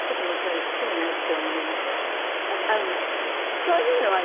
そういうのはね